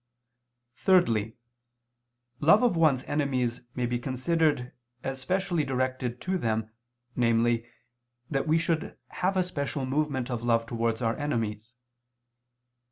Thirdly, love of one's enemies may be considered as specially directed to them, namely, that we should have a special movement of love towards our enemies.